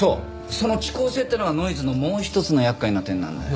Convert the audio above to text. その遅効性っていうのがノイズのもう一つの厄介な点なんだよ。